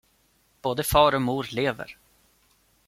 Både far och mor lever.